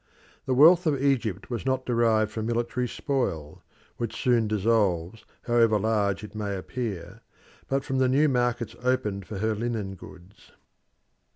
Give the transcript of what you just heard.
The wealth of Egypt was not derived from military spoil which soon dissolves, however large it may appear but from the new markets opened for her linen goods.